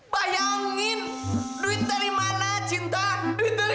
bayangin duit dari mana cinta duit dari mana